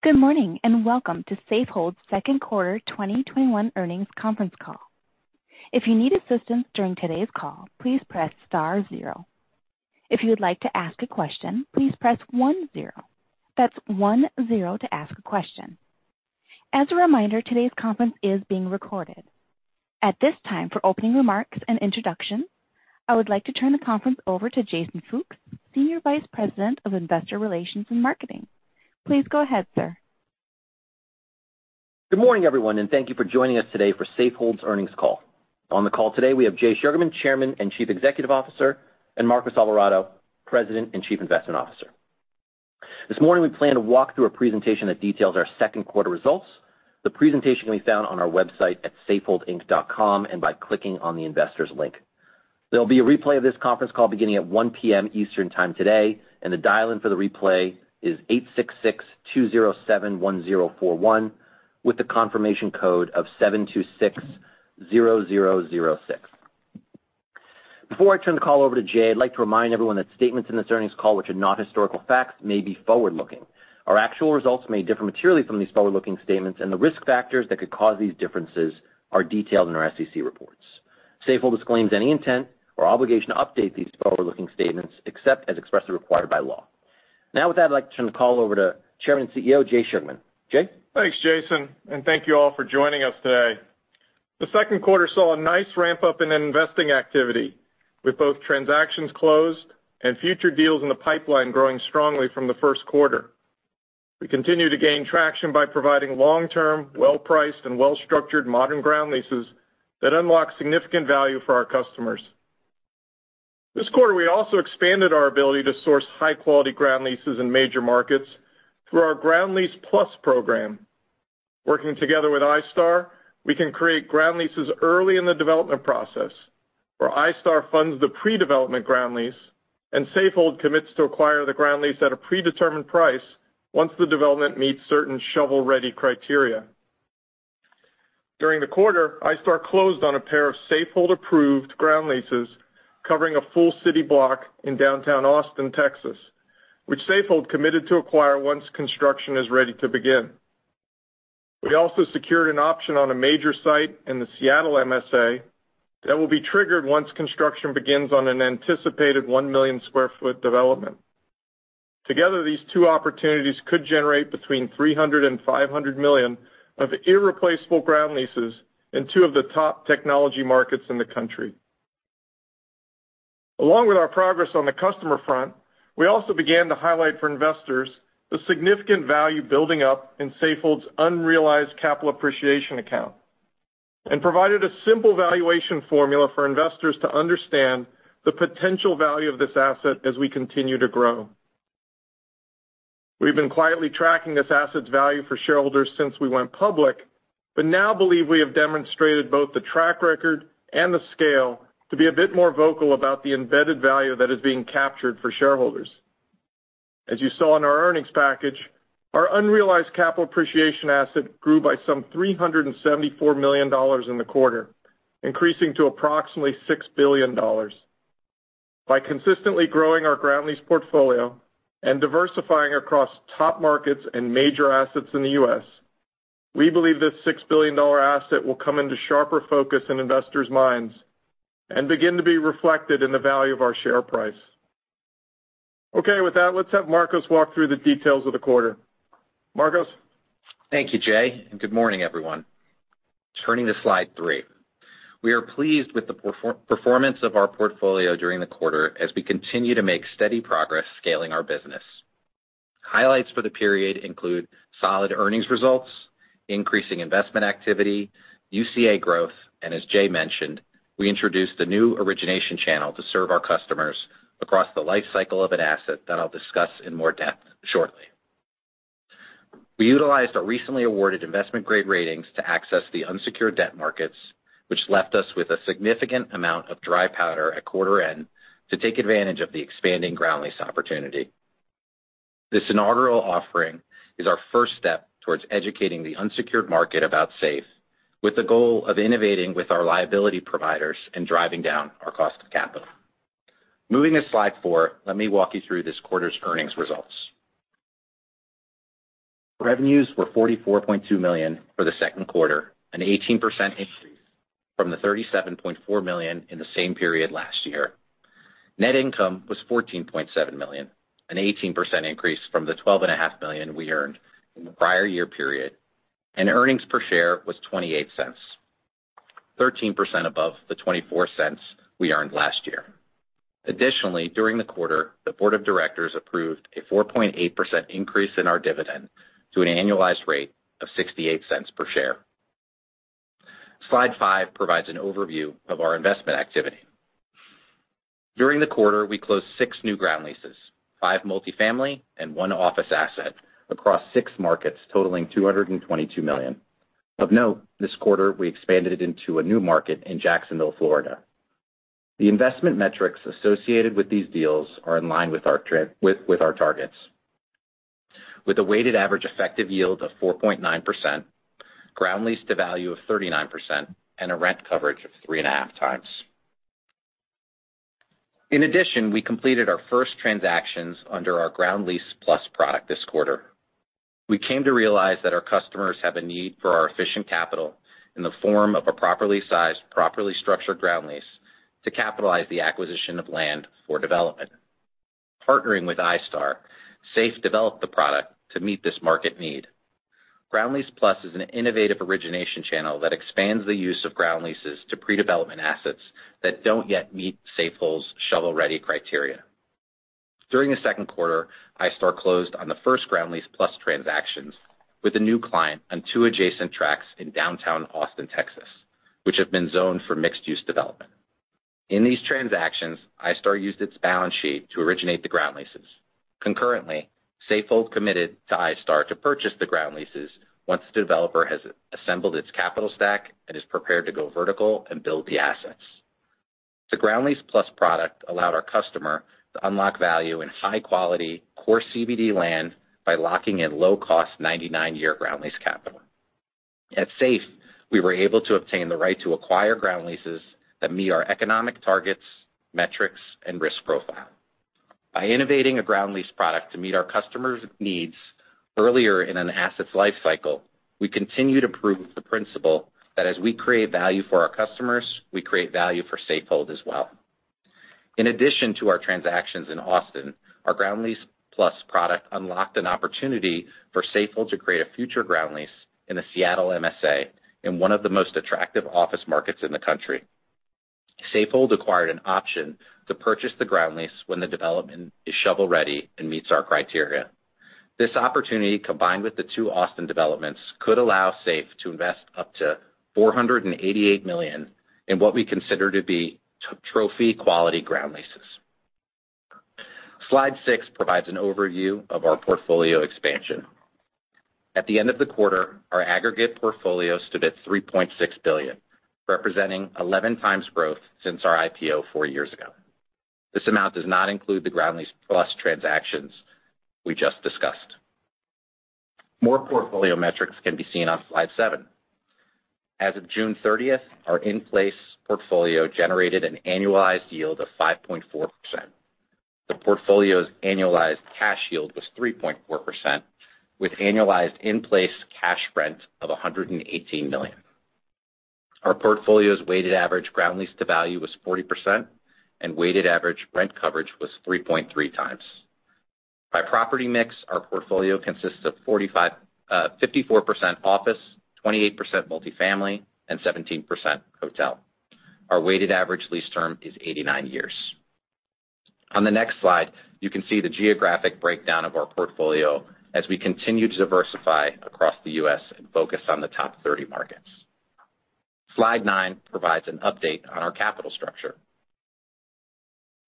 Good morning, welcome to Safehold's 2nd quarter 2021 earnings conference call. At this time, for opening remarks and introduction, I would like to turn the conference over to Jason Fooks, Senior Vice President of Investor Relations and Marketing. Please go ahead, sir. Good morning, everyone, and thank you for joining us today for Safehold's earnings call. On the call today, we have Jay Sugarman, Chairman and Chief Executive Officer, and Marcos Alvarado, President and Chief Investment Officer. This morning, we plan to walk through a presentation that details our 2nd quarter results. The presentation can be found on our website at safeholdinc.com, and by clicking on the Investors link. There'll be a replay of this conference call beginning at 1:00 P.M. Eastern time today, and the dial-in for the replay is 866-207-1041, with the confirmation code of 7260006. Before I turn the call over to Jay, I'd like to remind everyone that statements in this earnings call which are not historical facts may be forward-looking. Our actual results may differ materially from these forward-looking statements, and the risk factors that could cause these differences are detailed in our SEC reports. Safehold disclaims any intent or obligation to update these forward-looking statements except as expressly required by law. With that, I'd like to turn the call over to Chairman and CEO, Jay Sugarman. Jay? Thanks, Jason, and thank you all for joining us today. The 2nd quarter saw a nice ramp-up in investing activity, with both transactions closed and future deals in the pipeline growing strongly from the 1st quarter. We continue to gain traction by providing long-term, well-priced, and well-structured modern ground leases that unlock significant value for our customers. This quarter, we also expanded our ability to source high-quality ground leases in major markets through our Ground Lease Plus program. Working together with iStar, we can create ground leases early in the development process, where iStar funds the pre-development ground lease and Safehold commits to acquire the ground lease at a predetermined price once the development meets certain shovel-ready criteria. During the quarter, iStar closed on a pair of Safehold-approved ground leases covering a full 1 city block in downtown Austin, Texas, which Safehold committed to acquire once construction is ready to begin. We also secured an option on a major site in the Seattle MSA that will be triggered once construction begins on an anticipated 1 million square foot development. Together, these two opportunities could generate between $300 million and $500 million of irreplaceable ground leases in two of the top technology markets in the country. Along with our progress on the customer front, we also began to highlight for investors the significant value building up in Safehold's unrealized capital appreciation account, and provided a simple valuation formula for investors to understand the potential value of this asset as we continue to grow. We've been quietly tracking this asset's value for shareholders since we went public, but now believe we have demonstrated both the track record and the scale to be a bit more vocal about the embedded value that is being captured for shareholders. As you saw in our earnings package, our unrealized capital appreciation asset grew by some $374 million in the quarter, increasing to approximately $6 billion. By consistently growing our ground lease portfolio and diversifying across top markets and major assets in the U.S., we believe this $6 billion asset will come into sharper focus in investors' minds and begin to be reflected in the value of our share price. Okay. With that, let's have Marcos walk through the details of the quarter. Marcos? Thank you, Jay. Good morning, everyone. Turning to slide 3. We are pleased with the performance of our portfolio during the quarter as we continue to make steady progress scaling our business. Highlights for the period include solid earnings results, increasing investment activity, UCA growth, and as Jay mentioned, we introduced a new origination channel to serve our customers across the life cycle of an asset that I'll discuss in more depth shortly. We utilized our recently awarded investment-grade ratings to access the unsecured debt markets, which left us with a significant amount of dry powder at quarter end to take advantage of the expanding ground lease opportunity. This inaugural offering is our 1st step towards educating the unsecured market about SAFE, with the goal of innovating with our liability providers and driving down our cost of capital. Moving to slide 4, let me walk you through this quarter's earnings results. Revenues were $44.2 million for the 2nd quarter, an 18% increase from the $37.4 million in the same period last year. Net income was $14.7 million, an 18% increase from the $12.5 million we earned in the prior year period. Earnings per share was $0.28, 13% above the $0.24 we earned last year. Additionally, during the quarter, the board of directors approved a 4.8% increase in our dividend to an annualized rate of $0.68 per share. Slide 5 provides an overview of our investment activity. During the quarter, we closed six new ground leases, five multi-family and one office asset across six markets totaling $222 million. Of note, this quarter, we expanded into a new market in Jacksonville, Florida. The investment metrics associated with these deals are in line with our targets. With a weighted average effective yield of 4.9%, ground lease to value of 39%, and a rent coverage of 3.5x. In addition, we completed our 1st transactions under our Ground Lease Plus product this quarter. We came to realize that our customers have a need for our efficient capital in the form of a properly sized, properly structured ground lease to capitalize the acquisition of land for development. Partnering with iStar, SAFE developed the product to meet this market need. Ground Lease Plus is an innovative origination channel that expands the use of ground leases to pre-development assets that don't yet meet Safehold's shovel-ready criteria. During the 2nd quarter, iStar closed on the 1st Ground Lease Plus transactions with a new client on two adjacent tracks in downtown Austin, Texas, which have been zoned for mixed-use development. In these transactions, iStar used its balance sheet to originate the ground leases. Concurrently, Safehold committed to iStar to purchase the ground leases once the developer has assembled its capital stack and is prepared to go vertical and build the assets. The Ground Lease Plus product allowed our customer to unlock value in high-quality, core CBD land by locking in low-cost 99-year ground lease capital. At SAFE, we were able to obtain the right to acquire ground leases that meet our economic targets, metrics, and risk profile. By innovating a ground lease product to meet our customers' needs earlier in an asset's life cycle, we continue to prove the principle that as we create value for our customers, we create value for Safehold as well. In addition to our transactions in Austin, our Ground Lease Plus product unlocked an opportunity for Safehold to create a future ground lease in the Seattle MSA, in one of the most attractive office markets in the U.S. Safehold acquired an option to purchase the ground lease when the development is shovel-ready and meets our criteria. This opportunity, combined with the two Austin developments, could allow SAFE to invest up to $488 million in what we consider to be trophy quality ground leases. Slide 6 provides an overview of our portfolio expansion. At the end of the quarter, our aggregate portfolio stood at $3.6 billion, representing 11 times growth since our IPO four years ago. This amount does not include the Ground Lease Plus transactions we just discussed. More portfolio metrics can be seen on Slide 7. As of June 30th, our in-place portfolio generated an annualized yield of 5.4%. The portfolio's annualized cash yield was 3.4%, with annualized in-place cash rent of $118 million. Our portfolio's weighted average ground lease to value was 40%, and weighted average rent coverage was 3.3x. By property mix, our portfolio consists of 54% office, 28% multifamily, and 17% hotel. Our weighted average lease term is 89 years. On the next slide, you can see the geographic breakdown of our portfolio as we continue to diversify across the U.S. and focus on the top 30 markets. Slide 9 provides an update on our capital structure.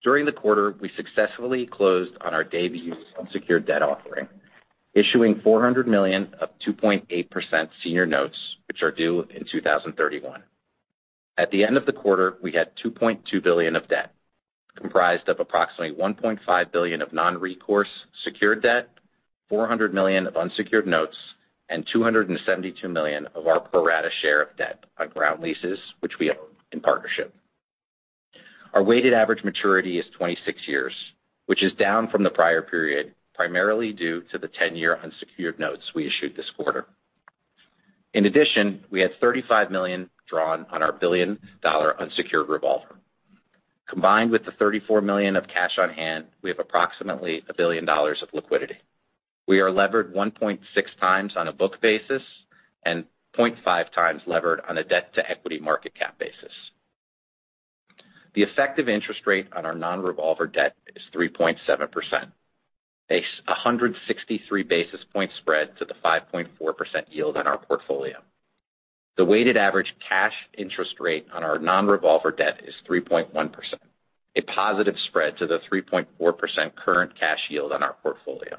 During the quarter, we successfully closed on our debut unsecured debt offering, issuing $400 million of 2.8% senior notes, which are due in 2031. At the end of the quarter, we had $2.2 billion of debt, comprised of approximately $1.5 billion of non-recourse secured debt, $400 million of unsecured notes, and $272 million of our pro rata share of debt on ground leases, which we own in partnership. Our weighted average maturity is 26 years, which is down from the prior period, primarily due to the 10-year unsecured notes we issued this quarter. In addition, we had $35 million drawn on our billion-dollar unsecured revolver. Combined with the $34 million of cash on hand, we have approximately $1 billion of liquidity. We are levered 1.6x on a book basis and 0.5x levered on a debt-to-equity market cap basis. The effective interest rate on our non-revolver debt is 3.7%, a 163 basis point spread to the 5.4% yield on our portfolio. The weighted average cash interest rate on our non-revolver debt is 3.1%, a positive spread to the 3.4% current cash yield on our portfolio.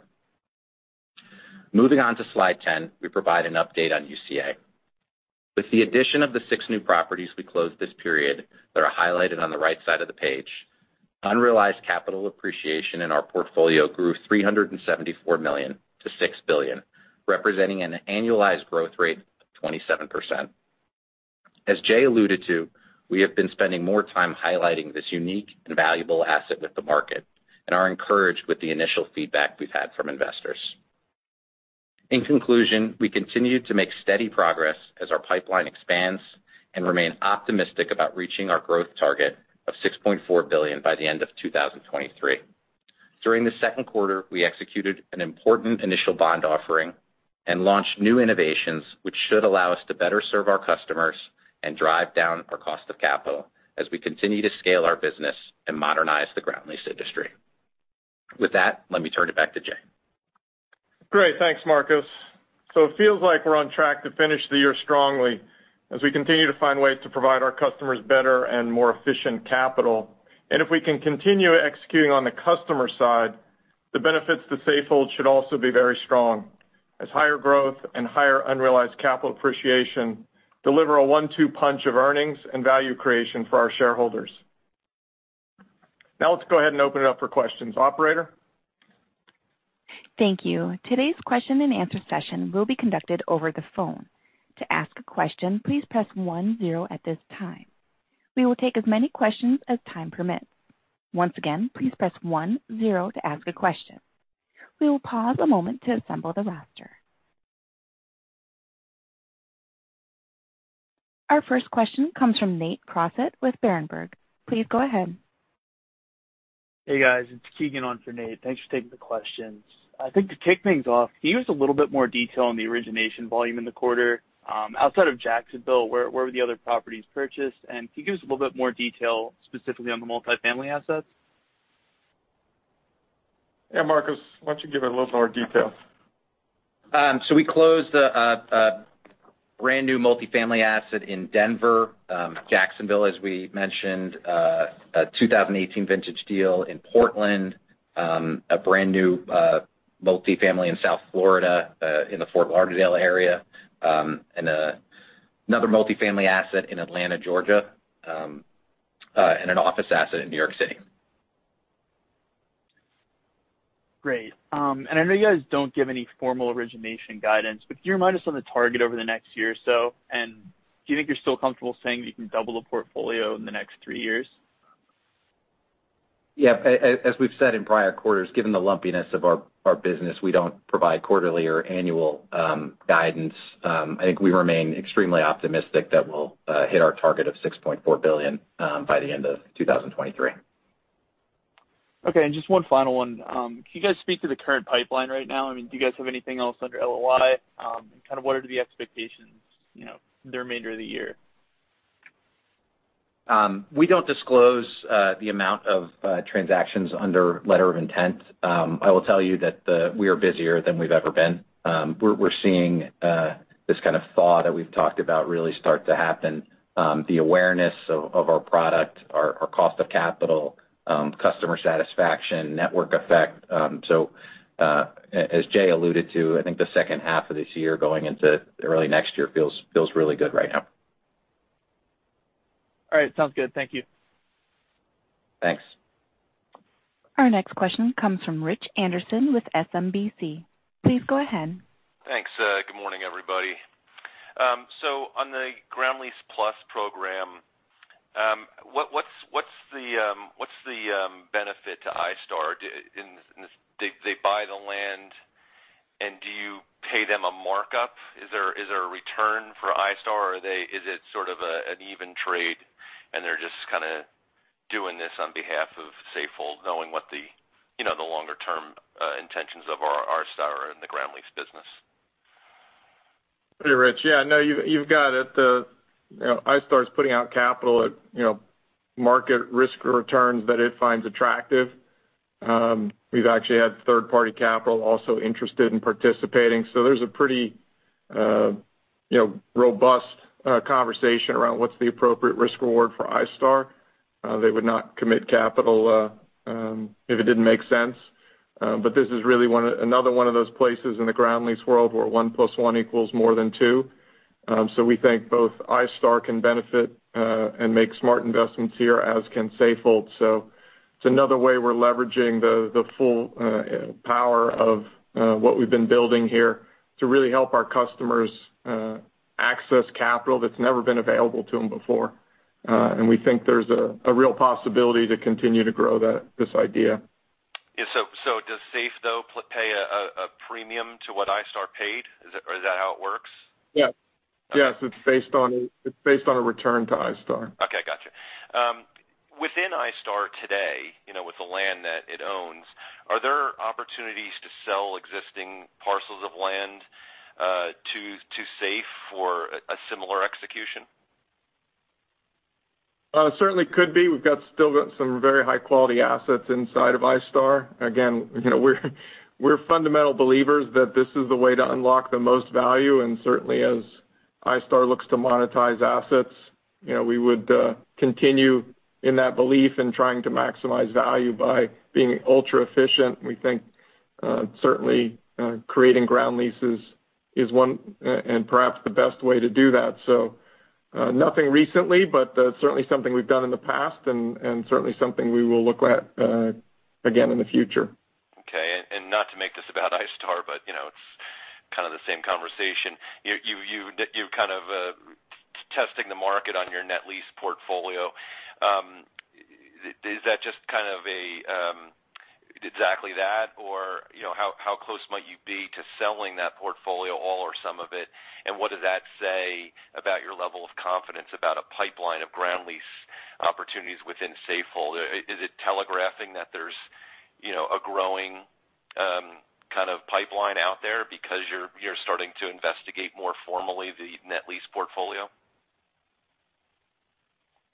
Moving on to slide 10, we provide an update on UCA. With the addition of the six new properties we closed this period that are highlighted on the right side of the page, unrealized capital appreciation in our portfolio grew $374 million to $6 billion, representing an annualized growth rate of 27%. As Jay alluded to, we have been spending more time highlighting this unique and valuable asset with the market and are encouraged with the initial feedback we've had from investors. In conclusion, we continue to make steady progress as our pipeline expands and remain optimistic about reaching our growth target of $6.4 billion by the end of 2023. During the 2nd quarter, we executed an important initial bond offering and launched new innovations, which should allow us to better serve our customers and drive down our cost of capital as we continue to scale our business and modernize the ground lease industry. With that, let me turn it back to Jay. Great. Thanks, Marcos. It feels like we're on track to finish the year strongly as we continue to find ways to provide our customers better and more efficient capital. If we can continue executing on the customer side, the benefits to Safehold should also be very strong, as higher growth and higher unrealized capital appreciation deliver a one-two punch of earnings and value creation for our shareholders. Now let's go ahead and open it up for questions. Operator? Thank you. Today's question-and-answer session will be conducted over the phone. To ask a question, please press one zero at this time. We will take as many questions as time permits. Once again, please press one zero to ask a question. We will pause a moment to assemble the roster. Our 1st question comes from Nate Crossett with Berenberg. Please go ahead. Hey, guys. It's Keegan on for Nate. Thanks for taking the questions. I think to kick things off, can you give us a little bit more detail on the origination volume in the quarter? Outside of Jacksonville, where were the other properties purchased? Can you give us a little bit more detail specifically on the multifamily assets? Marcos, why don't you give it a little more detail? We closed a brand new multifamily asset in Denver. We closed Jacksonville, as we mentioned, a 2018 vintage deal in Portland, a brand new multifamily in South Florida in the Fort Lauderdale area, and another multifamily asset in Atlanta, Georgia, and an office asset in New York City. Great. I know you guys don't give any formal origination guidance, but can you remind us on the target over the next year or so? Do you think you're still comfortable saying that you can double the portfolio in the next three years? Yeah. As we've said in prior quarters, given the lumpiness of our business, we don't provide quarterly or annual guidance. I think we remain extremely optimistic that we'll hit our target of $6.4 billion by the end of 2023. Okay, just one final one. Can you guys speak to the current pipeline right now? Do you guys have anything else under LOI? What are the expectations for the remainder of the year? We don't disclose the amount of transactions under letter of intent. I will tell you that we are busier than we've ever been. We're seeing this kind of thaw that we've talked about really start to happen. The awareness of our product, our cost of capital, customer satisfaction, network effect. As Jay alluded to, I think the 2nd half of this year going into early next year feels really good right now. All right. Sounds good. Thank you. Thanks. Our next question comes from Rich Anderson with SMBC. Please go ahead. Thanks. Good morning, everybody. On the Ground Lease Plus program, what's the benefit to iStar? They buy the land and do you pay them a markup? Is there a return for iStar or is it sort of an even trade and they're just kind of doing this on behalf of Safehold knowing what the longer-term intentions of iStar in the ground lease business? Hey, Rich. Yeah, no, you've got it. iStar's putting out capital at market risk returns that it finds attractive. We've actually had 3rd-party capital also interested in participating. There's a pretty robust conversation around what's the appropriate risk reward for iStar. They would not commit capital if it didn't make sense. This is really another one of those places in the ground lease world where one plus one equals more than two. We think both iStar can benefit and make smart investments here, as can Safehold. It's another way we're leveraging the full power of what we've been building here to really help our customers access capital that's never been available to them before. We think there's a real possibility to continue to grow this idea. Yeah. Does SAFE though pay a premium to what iStar paid? Is that how it works? Yes. It's based on a return to iStar. Okay. Got you. Within iStar today, with the land that it owns, are there opportunities to sell existing parcels of land to SAFE for a similar execution? Certainly could be. We've still got some very high-quality assets inside of iStar. Again, we're fundamental believers that this is the way to unlock the most value. Certainly as iStar looks to monetize assets, we would continue in that belief in trying to maximize value by being ultra-efficient. We think certainly creating ground leases is one and perhaps the best way to do that. Nothing recently, but certainly something we've done in the past and certainly something we will look at again in the future. Okay. Not to make this about iStar, but it's kind of the same conversation. You're kind of testing the market on your net lease portfolio. Is that just kind of exactly that? Or how close might you be to selling that portfolio, all or some of it? What does that say about your level of confidence about a pipeline of ground lease opportunities within Safehold? Is it telegraphing that there's a growing kind of pipeline out there because you're starting to investigate more formally the net lease portfolio?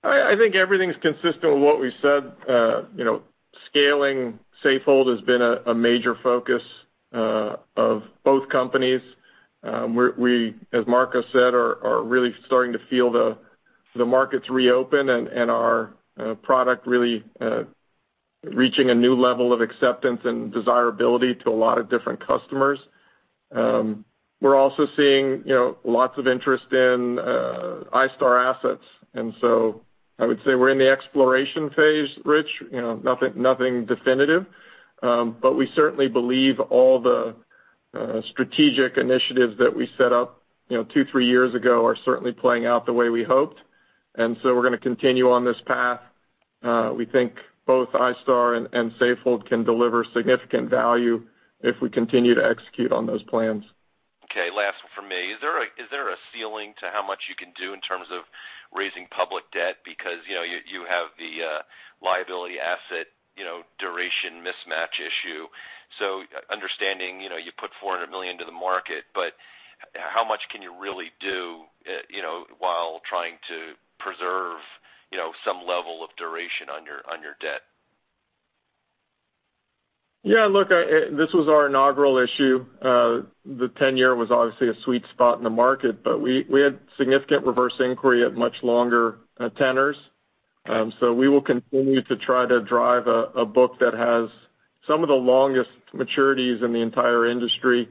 I think everything's consistent with what we've said. Scaling Safehold has been a major focus of both companies. We, as Marcos said, are really starting to feel the markets reopen and our product really reaching a new level of acceptance and desirability to a lot of different customers. We're also seeing lots of interest in iStar assets. I would say we're in the exploration phase, Rich. Nothing definitive. We certainly believe all the strategic initiatives that we set up two, three years ago are certainly playing out the way we hoped. We're going to continue on this path. We think both iStar and Safehold can deliver significant value if we continue to execute on those plans. Last one from me. Is there a ceiling to how much you can do in terms of raising public debt? Because you have the liability asset duration mismatch issue. Understanding you put $400 million into the market, but how much can you really do while trying to preserve some level of duration on your debt? Look, this was our inaugural issue. The 10-year was obviously a sweet spot in the market, we had significant reverse inquiry at much longer tenors. We will continue to try to drive a book that has some of the longest maturities in the entire industry.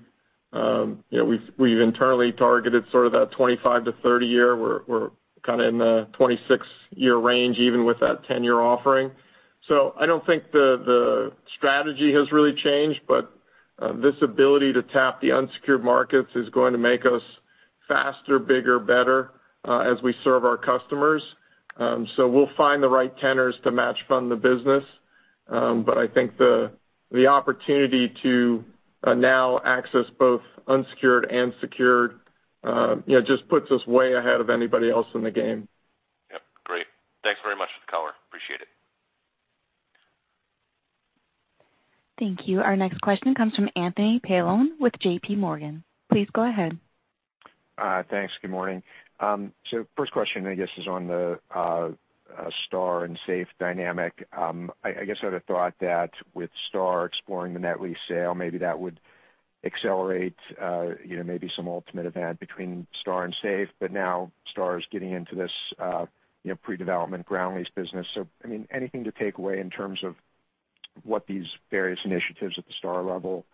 We've internally targeted sort of that 25-30 year. We're kind of in the 26-year range, even with that 10-year offering. I don't think the strategy has really changed, this ability to tap the unsecured markets is going to make us faster, bigger, better, as we serve our customers. We'll find the right tenors to match fund the business. I think the opportunity to now access both unsecured and secured, just puts us way ahead of anybody else in the game. Yep, great. Thanks very much for the color. Appreciate it. Thank you. Our next question comes from Anthony Paolone with JPMorgan. Please go ahead. Thanks. Good morning. 1st question, I guess, is on the iStar and Safehold dynamic. I guess I'd have thought that with iStar exploring the net lease sale, maybe that would accelerate maybe some ultimate event between iStar and Safehold, but now iStar is getting into this pre-development ground lease business. Anything to take away in terms of what these various initiatives at the iStar level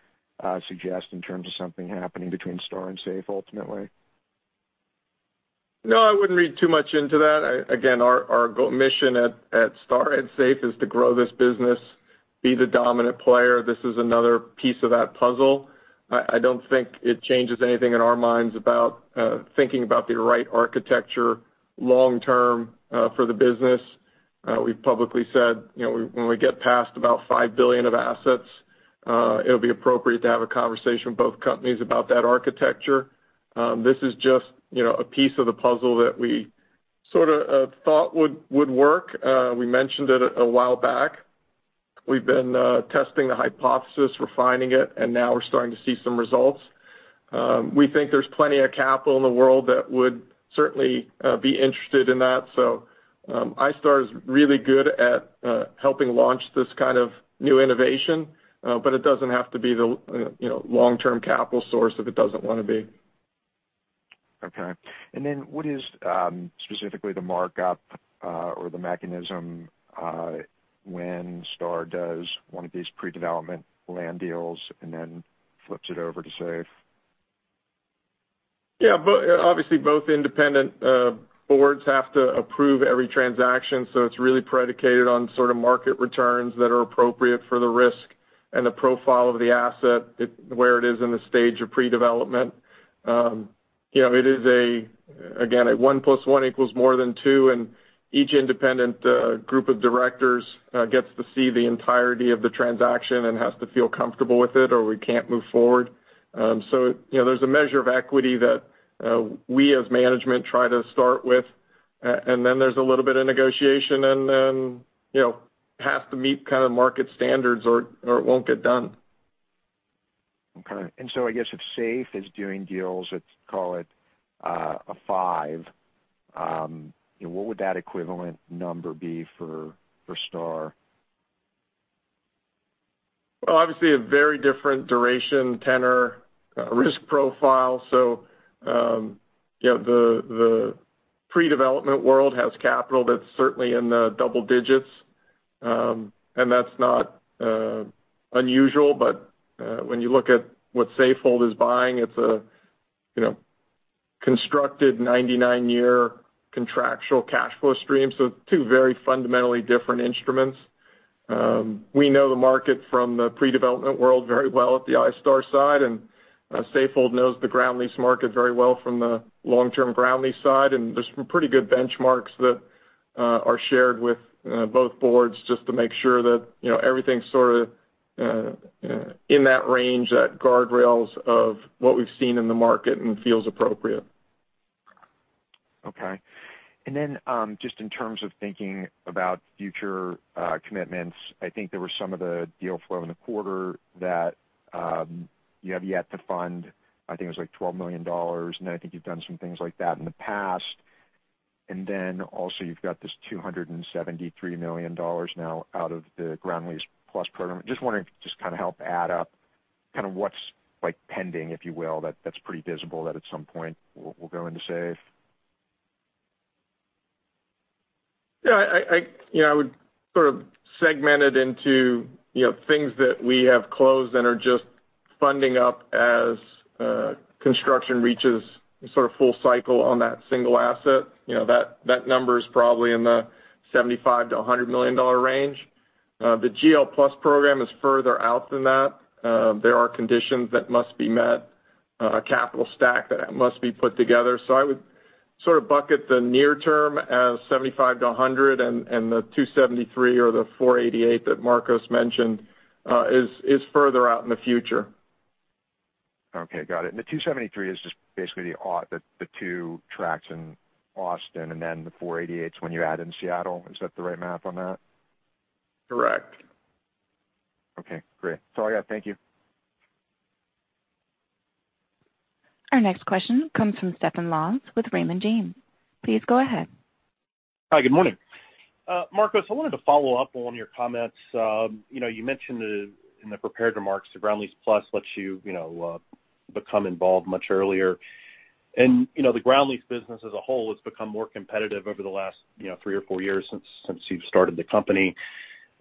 suggest in terms of something happening between iStar and Safehold ultimately? No, I wouldn't read too much into that. Again, our mission at iStar and Safehold is to grow this business, be the dominant player. This is another piece of that puzzle. I don't think it changes anything in our minds about thinking about the right architecture long-term for the business. We've publicly said when we get past about $5 billion of assets, it'll be appropriate to have a conversation with both companies about that architecture. This is just a piece of the puzzle that we sort of thought would work. We mentioned it a while back. We've been testing the hypothesis, refining it, and now we're starting to see some results. We think there's plenty of capital in the world that would certainly be interested in that. iStar is really good at helping launch this kind of new innovation, but it doesn't have to be the long-term capital source if it doesn't want to be. Okay. Then what is specifically the markup or the mechanism when iStar does one of these pre-development land deals and then flips it over to SAFE? Obviously, both independent boards have to approve every transaction, so it's really predicated on sort of market returns that are appropriate for the risk and the profile of the asset, where it is in the stage of pre-development. It is, again, a one plus one equals more than two, and each independent group of directors gets to see the entirety of the transaction and has to feel comfortable with it, or we can't move forward. There's a measure of equity that we as management try to start with, and then there's a little bit of negotiation, and then it has to meet kind of market standards, or it won't get done. Okay. I guess if SAFE is doing deals, let's call it a five, what would that equivalent number be for iStar? Well, obviously a very different duration tenor risk profile. The pre-development world has capital that's certainly in the double digits, and that's not unusual. When you look at what Safehold is buying, it's a constructed 99-year contractual cash flow stream. Two very fundamentally different instruments. We know the market from the pre-development world very well at the iStar side, and Safehold knows the ground lease market very well from the long-term ground lease side. There's some pretty good benchmarks that are shared with both boards just to make sure that everything's sort of in that range, that guardrails of what we've seen in the market and feels appropriate. Okay. Just in terms of thinking about future commitments, I think there was some of the deal flow in the quarter that you have yet to fund. I think it was like $12 million. I think you've done some things like that in the past. Also you've got this $273 million now out of the Ground Lease Plus program. Just wondering if you could just kind of help add up what's pending, if you will, that's pretty visible that at some point will go into Safehold. Yeah, I would sort of segment it into things that we have closed and are just funding up as construction reaches sort of full cycle on that single asset. That number is probably in the $75 million-$100 million range. The GL Plus program is further out than that. There are conditions that must be met, a capital stack that must be put together. I would sort of bucket the near term as $75 million-$100 million and the $273 million or the $488 million that Marcos mentioned is further out in the future. Okay. Got it. The $273 million is just basically the two tracks in Austin, and then the $488 million is when you add in Seattle. Is that the right math on that? Correct. Okay, great. That's all I got. Thank you. Our next question comes from Stephen Laws with Raymond James. Please go ahead. Hi, good morning. Marcos, I wanted to follow up on your comments. You mentioned in the prepared remarks, the Ground Lease Plus lets you become involved much earlier. The ground lease business as a whole has become more competitive over the last three or four years since you've started the company.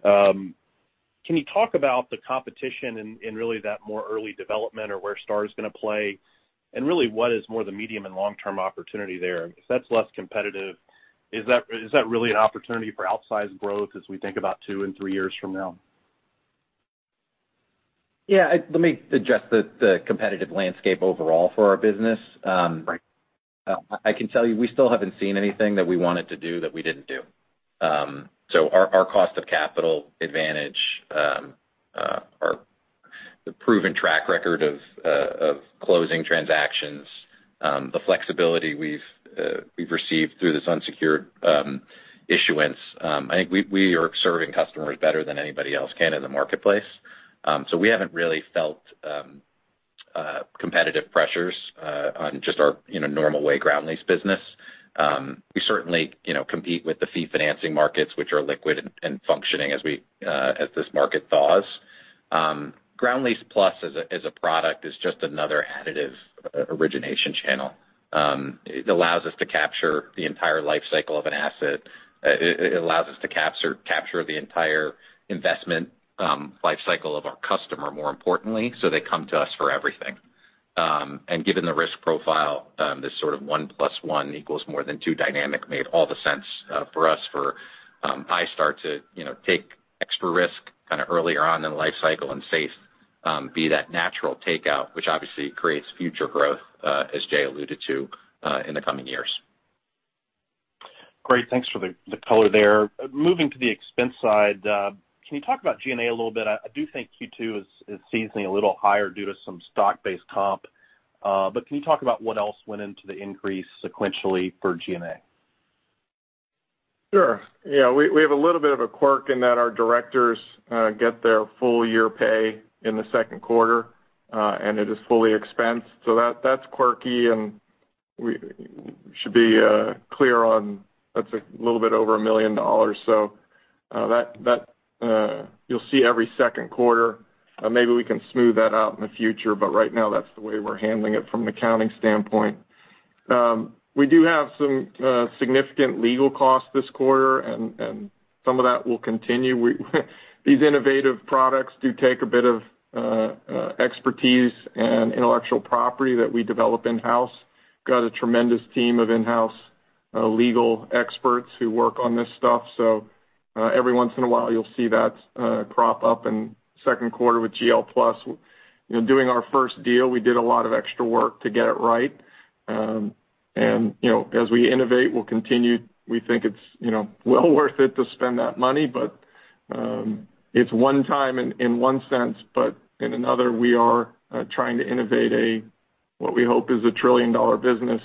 Can you talk about the competition in really that more early development or where iStar is going to play, and really what is more the medium and long-term opportunity there? If that's less competitive, is that really an opportunity for outsized growth as we think about two and three years from now? Yeah. Let me address the competitive landscape overall for our business. Right. I can tell you, we still haven't seen anything that we wanted to do that we didn't do. Our cost of capital advantage, the proven track record of closing transactions, the flexibility we've received through this unsecured issuance. I think we are serving customers better than anybody else can in the marketplace. We haven't really felt competitive pressures on just our normal way ground lease business. We certainly compete with the fee financing markets, which are liquid and functioning as this market thaws. Ground Lease Plus as a product is just another additive origination channel. It allows us to capture the entire life cycle of an asset. It allows us to capture the entire investment life cycle of our customer, more importantly, so they come to us for everything. Given the risk profile, this sort of one plus one equals more than two dynamic made all the sense for us for iStar to take extra risk kind of earlier on in the life cycle and Safehold be that natural takeout, which obviously creates future growth, as Jay alluded to, in the coming years. Great. Thanks for the color there. Moving to the expense side, can you talk about G&A a little bit? I do think Q2 is seasoning a little higher due to some stock-based comp. Can you talk about what else went into the increase sequentially for G&A? Sure. Yeah. We have a little bit of a quirk in that our directors get their full-year pay in the 2nd quarter, and it is fully expensed. That is quirky, and we should be clear on that is a little bit over $1 million. That you will see every 2nd quarter. Maybe we can smooth that out in the future. Right now, that is the way we are handling it from an accounting standpoint. We do have some significant legal costs this quarter, and some of that will continue. These innovative products do take a bit of expertise and intellectual property that we develop in-house. We have a tremendous team of in-house legal experts who work on this stuff. Every once in a while, you will see that crop up in the 2nd quarter with GL Plus. Doing our 1st deal, we did a lot of extra work to get it right. As we innovate, we'll continue. We think it's well worth it to spend that money. It's one time in one sense, but in another, we are trying to innovate what we hope is a $1 trillion business.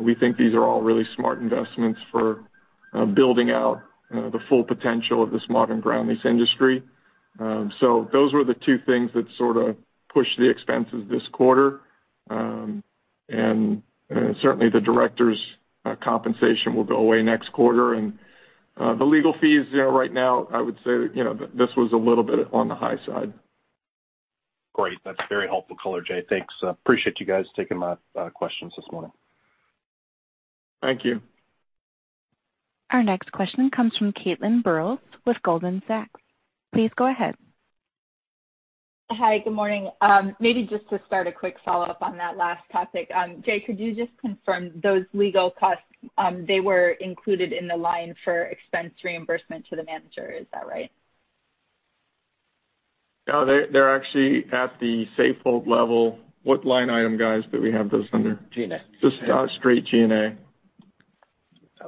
We think these are all really smart investments for building out the full potential of this modern ground lease industry. Those were the two things that sort of pushed the expenses this quarter. Certainly the directors' compensation will go away next quarter. The legal fees, right now, I would say this was a little bit on the high side. Great. That's very helpful color, Jay. Thanks. Appreciate you guys taking my questions this morning. Thank you. Our next question comes from Caitlin Burrows with Goldman Sachs. Please go ahead. Hi, good morning. Maybe just to start a quick follow-up on that last topic. Jay, could you just confirm those legal costs, they were included in the line for expense reimbursement to the manager, is that right? No, they're actually at the Safehold level. What line item, guys, do we have those under? G&A. Just straight G&A.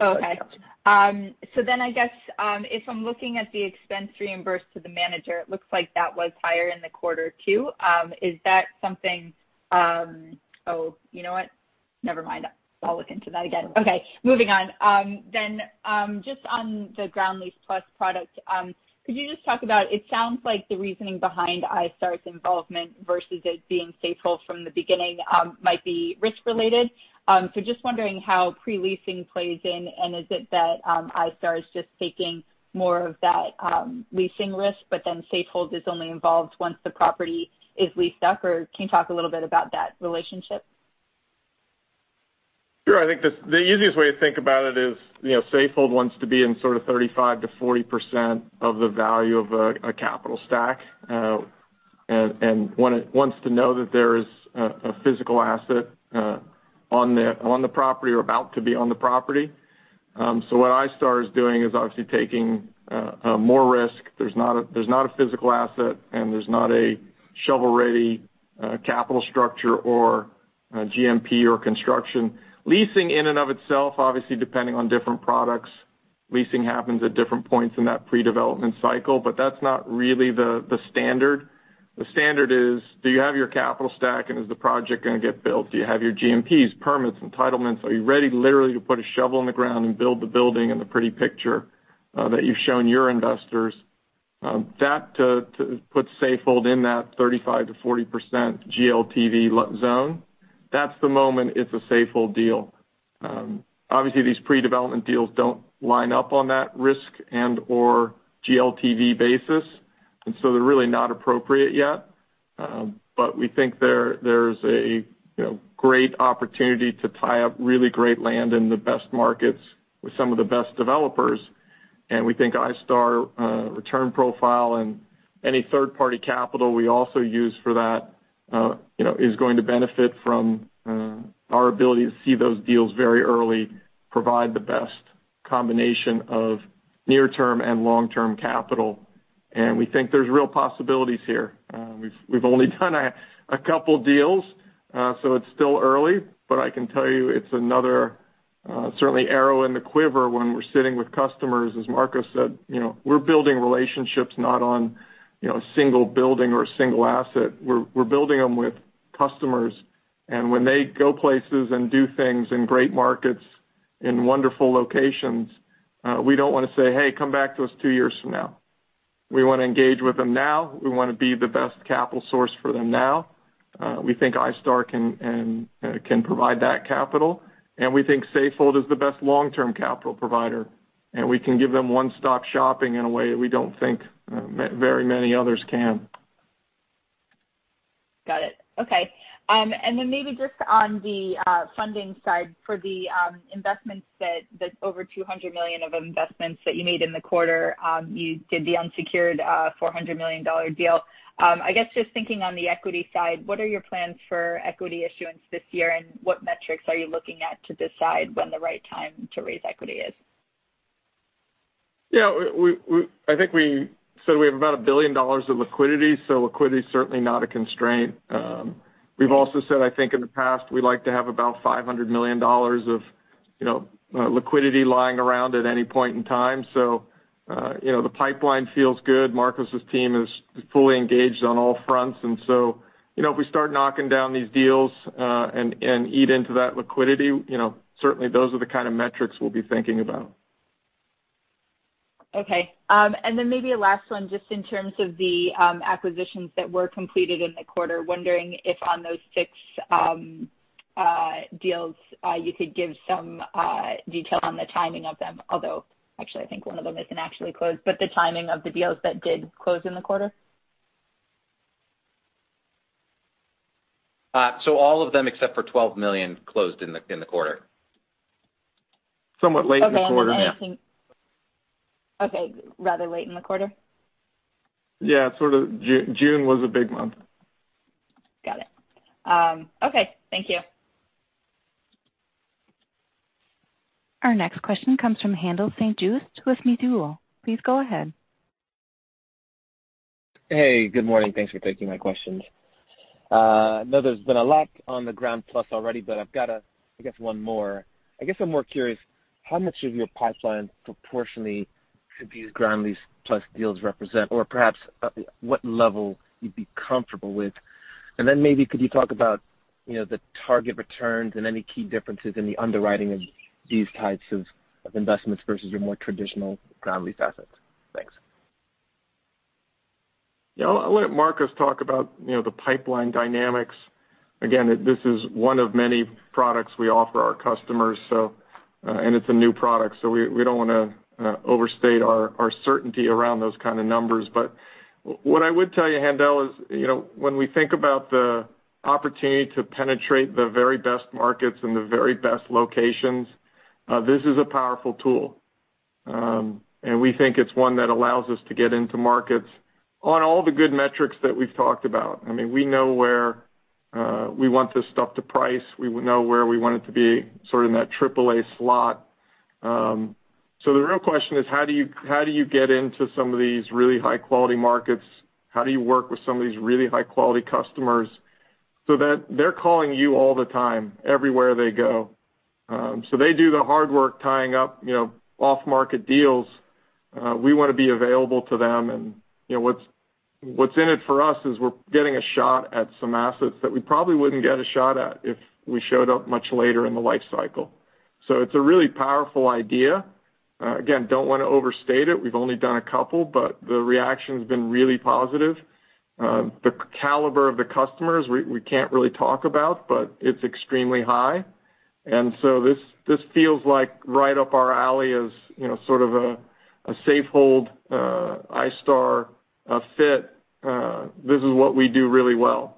Okay. I guess if I'm looking at the expense reimbursed to the manager, it looks like that was higher in the quarter, too. Oh, you know what? Never mind. I'll look into that again. Okay. Moving on. On the Ground Lease Plus program, could you just talk about, it sounds like the reasoning behind iStar's involvement versus it being Safehold from the beginning might be risk related. Just wondering how pre-leasing plays in, and is it that iStar is just taking more of that leasing risk, Safehold is only involved once the property is leased up, or can you talk a little bit about that relationship? Sure. I think the easiest way to think about it is, Safehold wants to be in sort of 35%-40% of the value of a capital stack. Wants to know that there is a physical asset on the property or about to be on the property. What iStar is doing is obviously taking more risk. There's not a physical asset, and there's not a one shovel-ready capital structure or a GMP or construction. Leasing in and of itself, obviously depending on different products, leasing happens at different points in that pre-development cycle, but that's not really the standard. The standard is, do you have your capital stack, and is the project going to get built? Do you have your GMPs, permits, entitlements? Are you ready literally to put a shovel in the ground and build the building and the pretty picture that you've shown your investors? That puts Safehold in that 35%-40% GLTV zone. That's the moment it's a Safehold deal. Obviously, these pre-development deals don't line up on that risk and/or GLTV basis, and so they're really not appropriate yet. We think there's a great opportunity to tie up really great land in the best markets with some of the best developers. We think iStar return profile and any 3rd-party capital we also use for that is going to benefit from our ability to see those deals very early, provide the best combination of near-term and long-term capital. We think there's real possibilities here. We've only done a couple deals, so it's still early, but I can tell you it's another certainly arrow in the quiver when we're sitting with customers. As Marcos said, we're building relationships, not on a single building or a single asset. We're building them with customers. When they go places and do things in great markets, in wonderful locations, we don't want to say, "Hey, come back to us two years from now." We want to engage with them now. We want to be the best capital source for them now. We think iStar can provide that capital, and we think Safehold is the best long-term capital provider. We can give them one-stop shopping in a way that we don't think very many others can. Got it. Okay. Maybe just on the funding side for the investments, that over $200 million of investments that you made in the quarter, you did the unsecured $400 million deal. I guess just thinking on the equity side, what are your plans for equity issuance this year, and what metrics are you looking at to decide when the right time to raise equity is? Yeah. We have about $1 billion of liquidity, so liquidity is certainly not a constraint. We've also said, I think in the past, we like to have about $500 million of liquidity lying around at any point in time. The pipeline feels good. Marcos's team is fully engaged on all fronts. If we start knocking down these deals, and eat into that liquidity, certainly those are the kind of metrics we'll be thinking about. Okay. Maybe a last one, just in terms of the acquisitions that were completed in the quarter. Wondering if on those six deals, you could give some detail on the timing of them. Actually, I think one of them isn't actually closed, but the timing of the deals that did close in the quarter. All of them, except for $12 million, closed in the quarter. Somewhat late in the quarter, yeah. Okay. Rather late in the quarter? Yeah. June was a big month. Got it. Okay. Thank you. Our next question comes from Haendel St. Juste with Mizuho. Please go ahead. Hey, good morning. Thanks for taking my questions. I know there's been a lot on the Ground Lease Plus already, but I've got, I guess one more. I guess I'm more curious, how much of your pipeline proportionally could these Ground Lease Plus deals represent? Or perhaps what level you'd be comfortable with. Maybe could you talk about the target returns and any key differences in the underwriting of these types of investments versus your more traditional ground lease assets? Thanks. Yeah. I'll let Marcos talk about the pipeline dynamics. Again, this is one of many products we offer our customers, and it's a new product, so we don't want to overstate our certainty around those kind of numbers. What I would tell you, Haendel, is when we think about the opportunity to penetrate the very best markets and the very best locations, this is a powerful tool. We think it's one that allows us to get into markets on all the good metrics that we've talked about. We know where we want this stuff to price. We know where we want it to be, sort of in that triple A slot. The real question is, how do you get into some of these really high-quality markets? How do you work with some of these really high-quality customers so that they're calling you all the time, everywhere they go? They do the hard work tying up off-market deals. We want to be available to them, and what's in it for us is we're getting a shot at some assets that we probably wouldn't get a shot at if we showed up much later in the life cycle. It's a really powerful idea. Again, don't want to overstate it. We've only done a couple, but the reaction's been really positive. The caliber of the customers we can't really talk about, but it's extremely high. This feels like right up our alley as sort of a Safehold, iStar fit. This is what we do really well.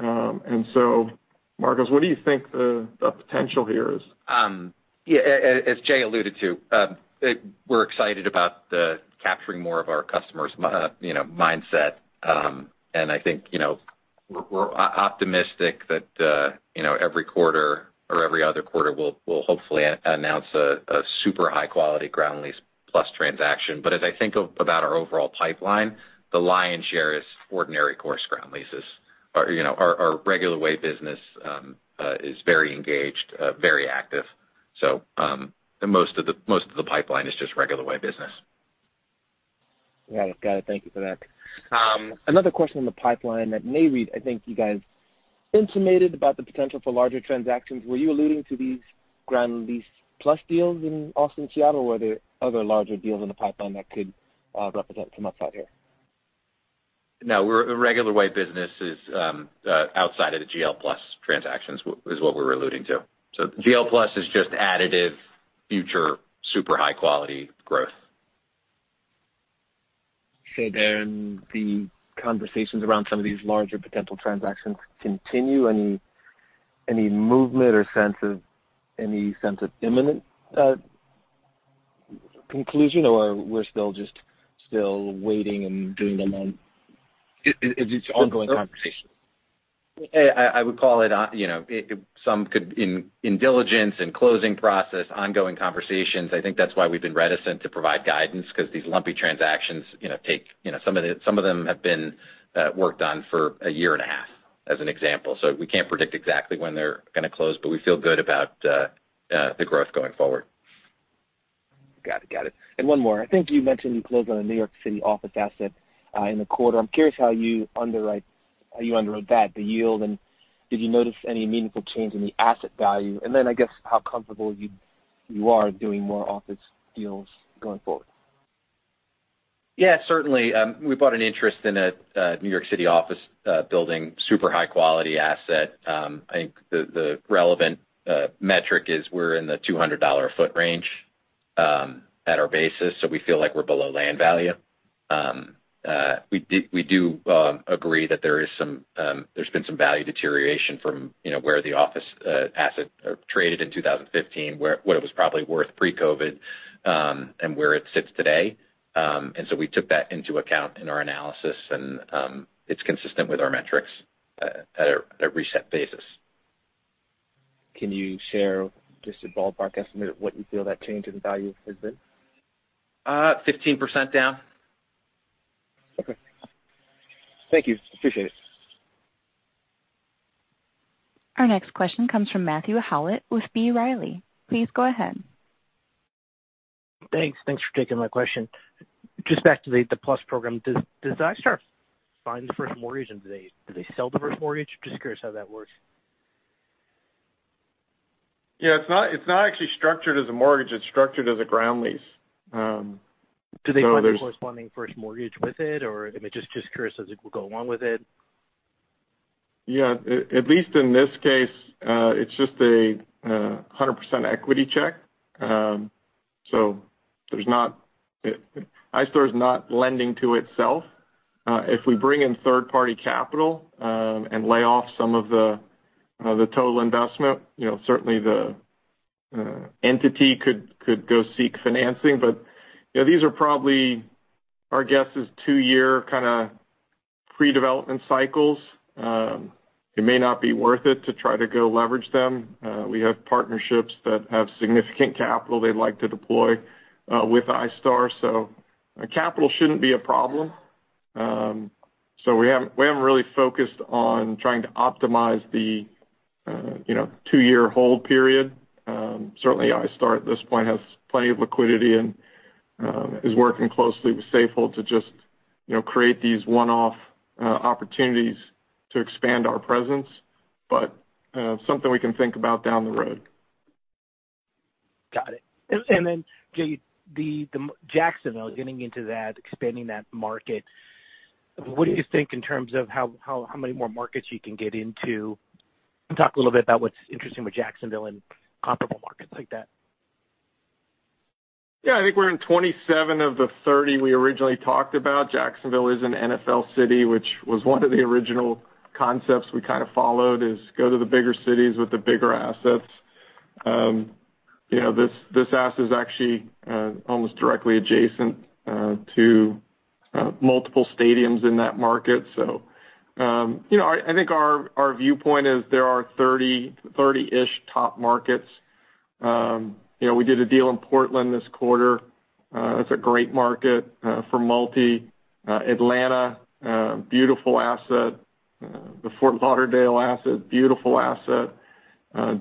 Marcos, what do you think the potential here is? Yeah. As Jay alluded to, we're excited about capturing more of our customers' mindset. I think, we're optimistic that every quarter or every other quarter, we'll hopefully announce a super high-quality Ground Lease Plus transaction. As I think about our overall pipeline, the lion's share is ordinary course ground leases. Our regular way business is very engaged, very active. Most of the pipeline is just regular way business. Got it. Thank you for that. Another question on the pipeline. At NAREIT, I think you guys intimated about the potential for larger transactions. Were you alluding to these Ground Lease Plus deals in Austin, Seattle, or were there other larger deals in the pipeline that could represent some upside here? No, regular way business is outside of the GL Plus transactions is what we're alluding to. GL Plus is just additive future super high-quality growth. The conversations around some of these larger potential transactions continue. Any movement or any sense of imminent conclusion, or are we still just waiting? It's ongoing conversations, I would call it. Some could in diligence, in closing process, ongoing conversations. I think that's why we've been reticent to provide guidance because these lumpy transactions take, some of them have been worked on for a year and a half, as an example. We can't predict exactly when they're going to close, but we feel good about the growth going forward. Got it. One more. I think you mentioned you closed on a New York City office asset in the quarter. I'm curious how you underwrite that, the yield, and did you notice any meaningful change in the asset value? I guess, how comfortable you are doing more office deals going forward? Yeah, certainly. We bought an interest in a New York City office building, super high-quality asset. I think the relevant metric is we're in the $200 foot range at our basis, so we feel like we're below land value. We do agree that there's been some value deterioration from where the office asset traded in 2015, where it was probably worth pre-COVID, and where it sits today. We took that into account in our analysis, and it's consistent with our metrics at a reset basis. Can you share just a ballpark estimate of what you feel that change in value has been? 15% down. Okay. Thank you. Appreciate it. Our next question comes from Matthew Howlett with B. Riley. Please go ahead. Thanks for taking my question. Just back to the Plus Program, does iStar find the 1st mortgage, and do they sell the 1st mortgage? Just curious how that works. Yeah, it's not actually structured as a mortgage, it's structured as a ground lease. Do they find a corresponding 1st mortgage with it, or I'm just curious as it would go along with it. At least in this case, it's just a 100% equity check. iStar is not lending to itself. If we bring in 3rd-party capital, and lay off some of the total investment, certainly the entity could go seek financing. These are probably, our guess is two-year kind of pre-development cycles. It may not be worth it to try to go leverage them. We have partnerships that have significant capital they'd like to deploy with iStar, so capital shouldn't be a problem. We haven't really focused on trying to optimize the two-year hold period. Certainly iStar at this point has plenty of liquidity and is working closely with Safehold to just create these one-off opportunities to expand our presence. Something we can think about down the road. Got it. Then Jay, the Jacksonville, getting into that, expanding that market, what do you think in terms of how many more markets you can get into? Talk a little bit about what's interesting with Jacksonville and comparable markets like that. Yeah. I think we're in 27 of the 30 we originally talked about. Jacksonville is an NFL city, which was one of the original concepts we kind of followed is go to the bigger cities with the bigger assets. This asset is actually almost directly adjacent to multiple stadiums in that market. I think our viewpoint is there are 30-ish top markets. We did a deal in Portland this quarter. That's a great market for multi. Atlanta, beautiful asset. The Fort Lauderdale asset, beautiful asset.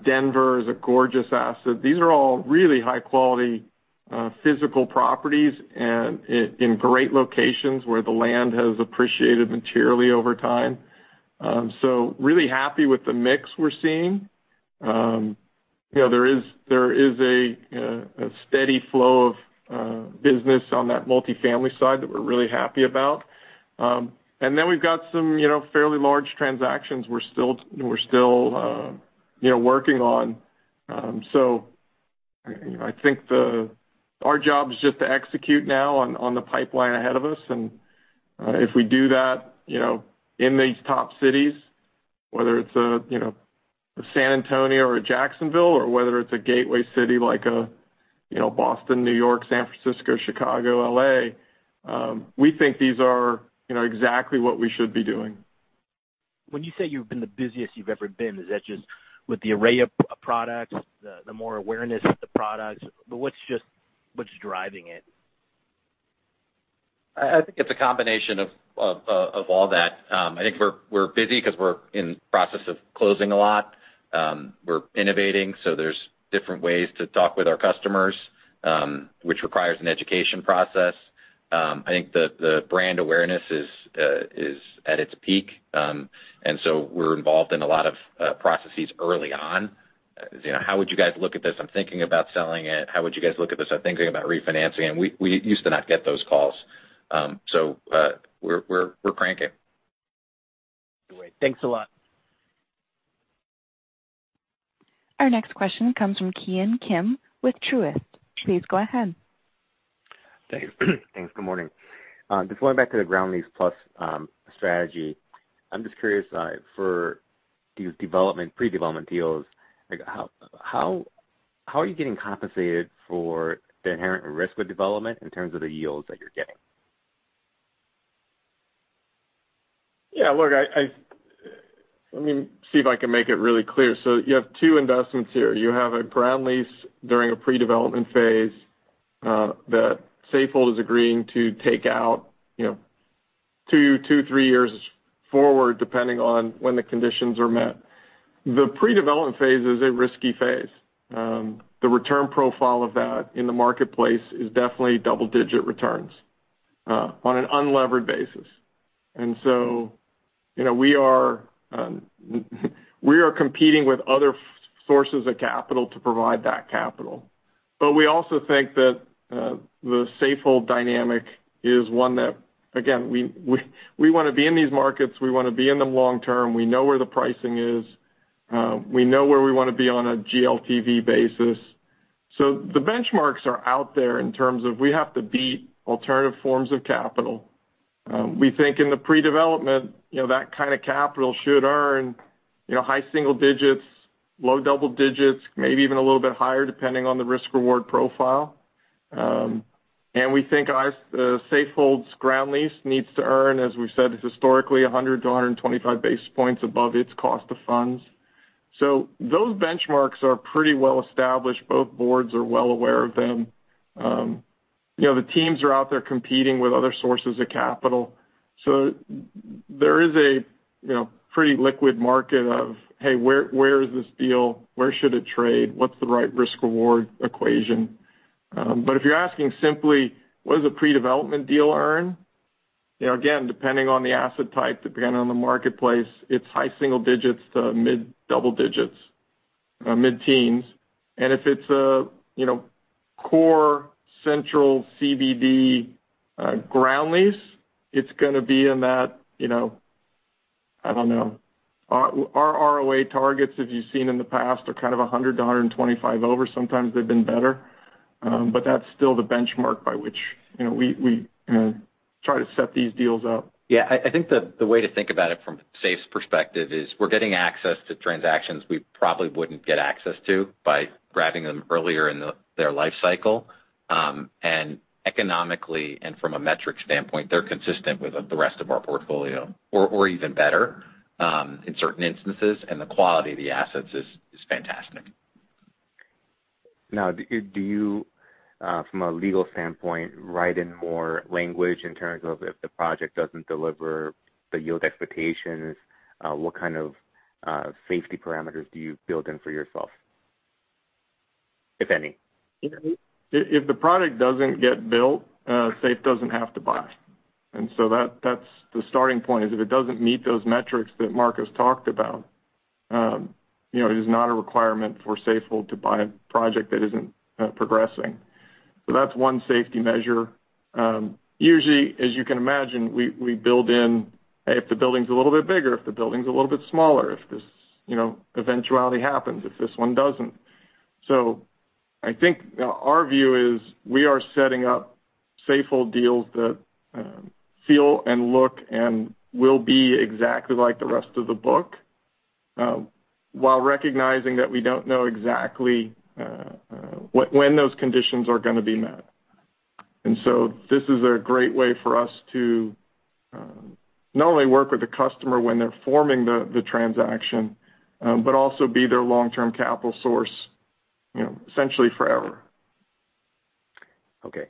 Denver is a gorgeous asset. These are all really high-quality physical properties and in great locations where the land has appreciated materially over time. Really happy with the mix we're seeing. There is a steady flow of business on that multi-family side that we're really happy about. We've got some fairly large transactions we're still working on. I think our job is just to execute now on the pipeline ahead of us. If we do that in these top cities, whether it's a San Antonio or a Jacksonville or whether it's a gateway city like a Boston, New York, San Francisco, Chicago, L.A., we think these are exactly what we should be doing. When you say you've been the busiest you've ever been, is that just with the array of products, the more awareness of the products? What's driving it? I think it's a combination of all that. I think we're busy because we're in the process of closing a lot. We're innovating, so there's different ways to talk with our customers, which requires an education process. I think the brand awareness is at its peak. We're involved in a lot of processes early on. "How would you guys look at this? I'm thinking about selling it. How would you guys look at this? I'm thinking about refinancing it." We used to not get those calls. We're cranking. Great. Thanks a lot. Our next question comes from Ki Bin Kim with Truist. Please go ahead. Thanks. Good morning. Just going back to the Ground Lease Plus strategy. I'm just curious, for these pre-development deals, how are you getting compensated for the inherent risk with development in terms of the yields that you're getting? Yeah, look, let me see if I can make it really clear. You have two investments here. You have a ground lease during a pre-development phase that Safehold is agreeing to take out 2, 3 years forward, depending on when the conditions are met. The pre-development phase is a risky phase. The return profile of that in the marketplace is definitely double-digit returns on an unlevered basis. We are competing with other sources of capital to provide that capital. We also think that the Safehold dynamic is one that, again, we want to be in these markets. We want to be in them long term. We know where the pricing is. We know where we want to be on a GLTV basis. The benchmarks are out there in terms of we have to beat alternative forms of capital. We think in the pre-development, that kind of capital should earn high single digits, low double digits, maybe even a little bit higher, depending on the risk-reward profile. We think Safehold's ground lease needs to earn, as we've said historically, 100-125 basis points above its cost of funds. Those benchmarks are pretty well-established. Both boards are well aware of them. The teams are out there competing with other sources of capital. There is a pretty liquid market of, hey, where is this deal? Where should it trade? What's the right risk-reward equation? If you're asking simply, what does a pre-development deal earn? Again, depending on the asset type, depending on the marketplace, it's high single digits to mid double digits, mid-teens. If it's a core central CBD ground lease, it's going to be in that, I don't know. Our ROA targets, as you've seen in the past, are kind of 100 to 125 over. Sometimes they've been better. That's still the benchmark by which we try to set these deals up. Yeah, I think the way to think about it from SAFE's perspective is we're getting access to transactions we probably wouldn't get access to by grabbing them earlier in their life cycle. Economically and from a metric standpoint, they're consistent with the rest of our portfolio, or even better in certain instances, and the quality of the assets is fantastic. Now, do you, from a legal standpoint, write in more language in terms of if the project doesn't deliver the yield expectations, what kind of safety parameters do you build in for yourself, if any? If the product doesn't get built, SAFE doesn't have to buy. That's the starting point, is if it doesn't meet those metrics that Marcos has talked about, it is not a requirement for Safehold to buy a project that isn't progressing. That's one safety measure. Usually, as you can imagine, we build in if the building's a little bit bigger, if the building's a little bit smaller, if this eventuality happens, if this one doesn't. I think our view is we are setting up Safehold deals that feel and look and will be exactly like the rest of the book, while recognizing that we don't know exactly when those conditions are going to be met. This is a great way for us to not only work with the customer when they're forming the transaction, but also be their long-term capital source, essentially forever. Okay.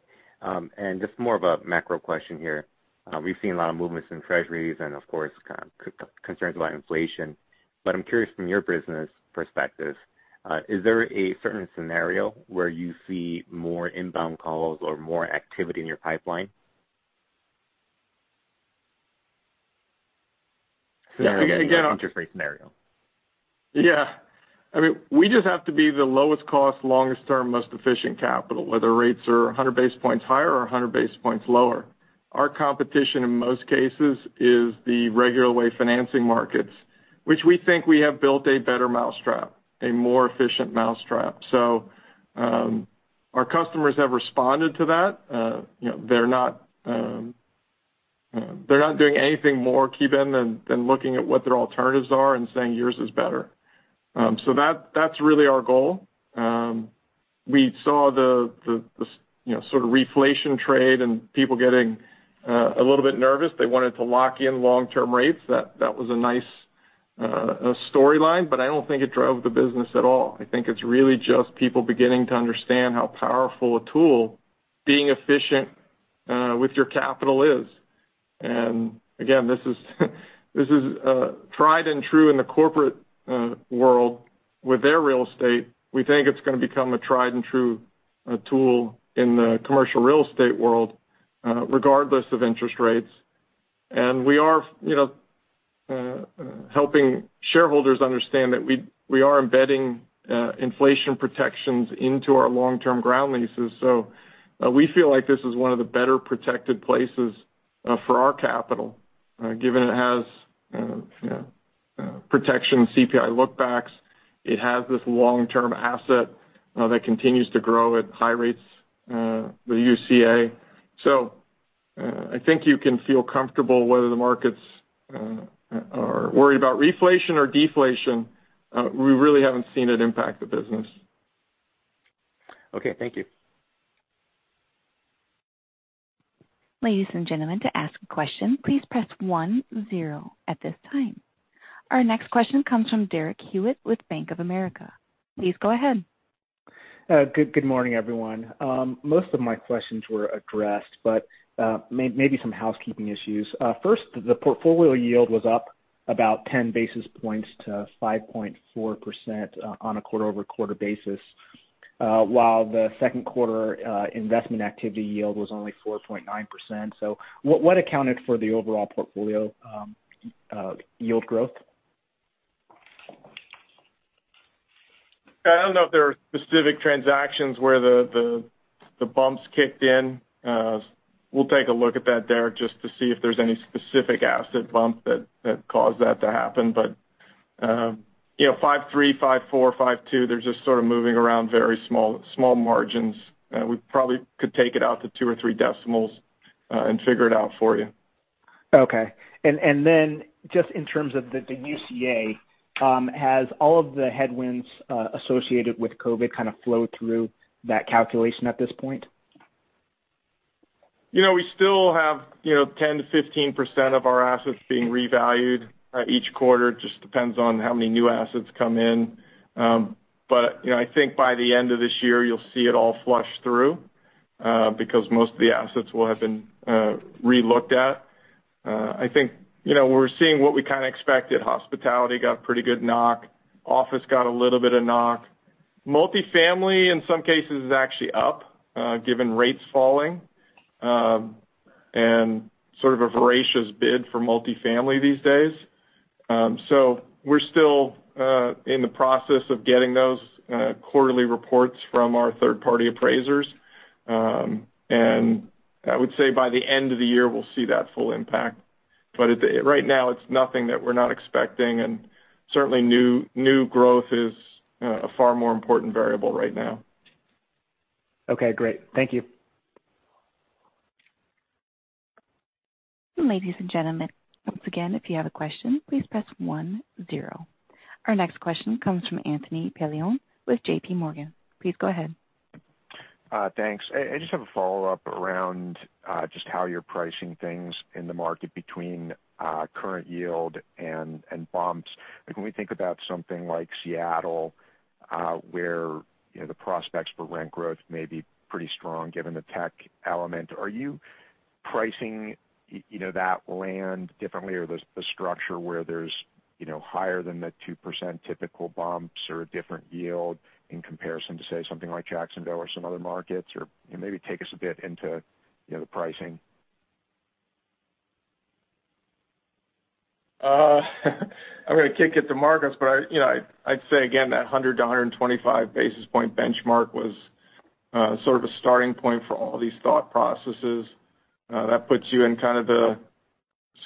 Just more of a macro question here. We've seen a lot of movements in treasuries and of course, concerns about inflation. I'm curious from your business perspective, is there a certain scenario where you see more inbound calls or more activity in your pipeline? Yeah. Interest rate scenario. Yeah. We just have to be the lowest cost, longest term, most efficient capital, whether rates are 100 basis points higher or 100 basis points lower. Our competition in most cases is the regular way financing markets, which we think we have built a better mousetrap, a more efficient mousetrap. Our customers have responded to that. They're not doing anything more than looking at what their alternatives are and saying yours is better. That's really our goal. We saw the sort of reflation trade and people getting a little bit nervous. They wanted to lock in long-term rates. That was a nice storyline. I don't think it drove the business at all. I think it's really just people beginning to understand how powerful a tool being efficient with your capital is. Again, this is tried and true in the corporate world with their real estate. We think it's going to become a tried and true tool in the commercial real estate world, regardless of interest rates. We are helping shareholders understand that we are embedding inflation protections into our long-term ground leases. We feel like this is one of the better protected places for our capital. Given it has protection, CPI lookbacks. It has this long-term asset that continues to grow at high rates, the UCA. I think you can feel comfortable whether the markets are worried about reflation or deflation. We really haven't seen it impact the business. Okay, thank you. Ladies and gentlemen, to ask a question, please press 10 at this time. Our next question comes from Derek Hewett with Bank of America. Please go ahead. Good morning, everyone. Most of my questions were addressed, maybe some housekeeping issues. First, the portfolio yield was up about 10 basis points to 5.4% on a quarter-over-quarter basis, while the 2nd quarter investment activity yield was only 4.9%. What accounted for the overall portfolio yield growth? I don't know if there are specific transactions where the bumps kicked in. We'll take a look at that, Derek, just to see if there's any specific asset bump that caused that to happen. 53, 54, 52, they're just sort of moving around very small margins. We probably could take it out to 2 or 3 decimals and figure it out for you. Okay. Just in terms of the UCA, has all of the headwinds associated with COVID kind of flowed through that calculation at this point? We still have 10%-15% of our assets being revalued each quarter. It just depends on how many new assets come in. I think by the end of this year, you'll see it all flush through, because most of the assets will have been relooked at. I think we're seeing what we kind of expected. Hospitality got pretty good knock. Office got a little bit of knock. Multifamily, in some cases, is actually up, given rates falling, and sort of a voracious bid for multifamily these days. We're still in the process of getting those quarterly reports from our 3rd-party appraisers. I would say by the end of the year, we'll see that full impact. Right now, it's nothing that we're not expecting, and certainly new growth is a far more important variable right now. Okay, great. Thank you. Ladies and gentlemen, once again, if you have a question, please press 10. Our next question comes from Anthony Paolone with JPMorgan. Please go ahead. Thanks. I just have a follow-up around just how you're pricing things in the market between current yield and bumps. Like when we think about something like Seattle, where the prospects for rent growth may be pretty strong given the tech element, are you pricing that land differently or the structure where there's higher than the 2% typical bumps or a different yield in comparison to, say, something like Jacksonville or some other markets? Maybe take us a bit into the pricing. I'm going to kick it to Marcos, but I'd say again, that 100-125 basis point benchmark was sort of a starting point for all these thought processes. That puts you in kind of the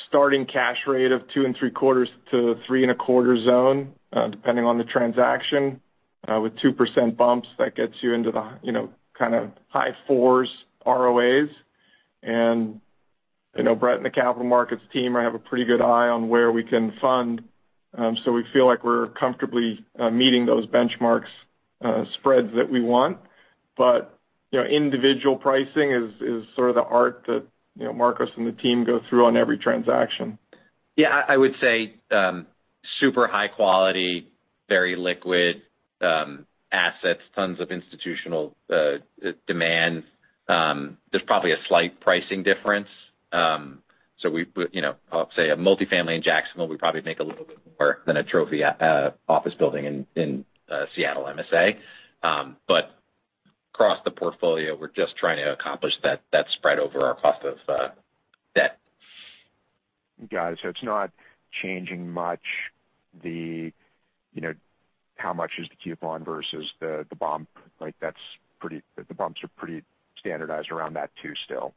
starting cash rate of 2.75-3.25 zone, depending on the transaction. With 2% bumps, that gets you into the kind of high 4s ROA. Brett and the capital markets team have a pretty good eye on where we can fund, so we feel like we're comfortably meeting those benchmarks spreads that we want. Individual pricing is sort of the art that Marcos and the team go through on every transaction. I would say super high quality, very liquid assets, tons of institutional demand. There's probably a slight pricing difference. I'll say a multifamily in Jacksonville, we probably make a little bit more than a trophy office building in Seattle MSA. Across the portfolio, we're just trying to accomplish that spread over our cost of debt. Got it. It's not changing much how much is the coupon versus the bump? The bumps are pretty standardized around that too still,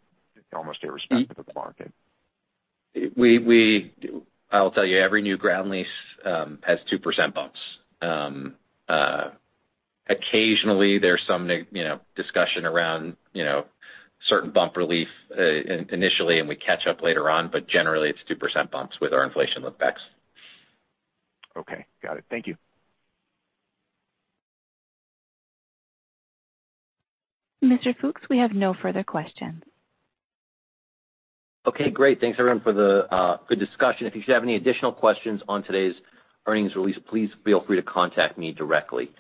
almost irrespective of the market. I'll tell you, every new ground lease has 2% bumps. Occasionally, there's some discussion around certain bump relief initially, and we catch up later on, but generally, it's 2% bumps with our inflation lookbacks. Okay, got it. Thank you. Mr. Fooks, we have no further questions. Okay, great. Thanks, everyone for the good discussion. If you should have any additional questions on today's earnings release, please feel free to contact me directly.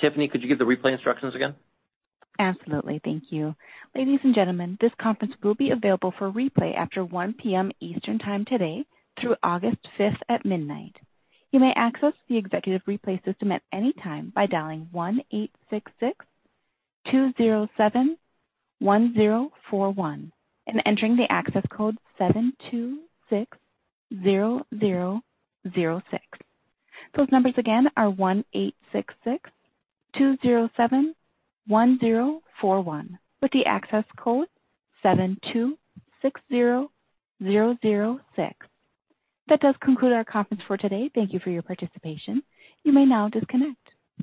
Tiffany, could you give the replay instructions again? Absolutely, thank you. Ladies and gentlemen, this conference will be available for replay after 1:00 PM Eastern Time today through August 5th at midnight. You may access the executive replay system at any time by dialing 1-866-207-1041 and entering the access code 7260006. Those numbers again are 1-866-207-1041 with the access code 7260006. That does conclude our conference for today. Thank you for your participation. You may now disconnect.